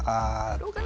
どうかな？